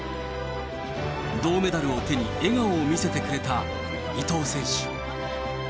銅メダルを手に、笑顔を見せてくれた伊藤選手。